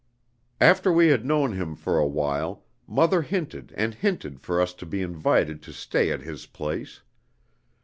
"After we had known him for awhile, mother hinted and hinted for us to be invited to stay at his place.